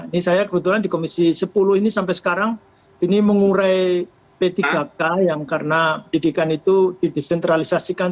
ini saya kebetulan di komisi sepuluh ini sampai sekarang ini mengurai p tiga k yang karena didikan itu didesentralisasikan